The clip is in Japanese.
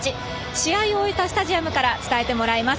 試合を終えたスタジアムから伝えてもらいます。